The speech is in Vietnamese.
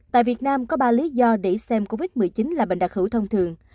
tại việt nam có ba lý do để xem covid một mươi chín là bệnh đặc hữu thông thường